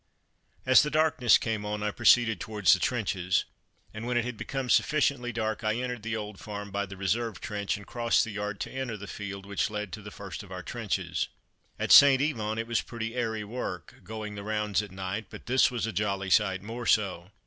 As the darkness came on I proceeded towards the trenches, and when it had become sufficiently dark I entered the old farm by the reserve trench and crossed the yard to enter the field which led to the first of our trenches. At St. Yvon it was pretty airy work, going the rounds at night, but this was a jolly sight more so.